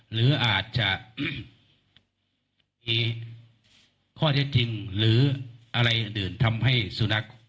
หรืออาจจะมีข้อเท็จจริงหรืออะไรอื่นทำให้สุนัข